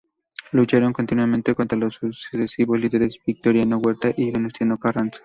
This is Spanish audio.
Lucharon continuamente contra los sucesivos líderes Victoriano Huerta y Venustiano Carranza.